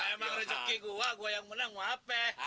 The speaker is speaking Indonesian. emang rezeki gue gue yang menang wapih